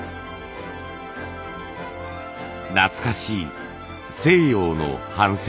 懐かしい西洋の帆船。